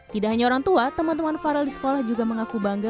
tidak hanya orang tua teman teman farel di sekolah juga mengaku bangga